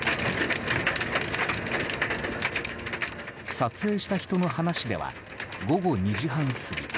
撮影した人の話では午後２時半過ぎ